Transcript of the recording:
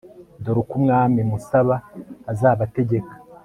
dore uko umwami musaba azabategeka